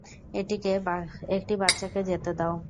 একটি বাচ্চাকে যেতে দাও।